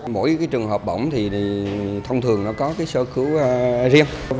mỗi trường hợp bỏng thì thông thường nó có cái sơ cứu riêng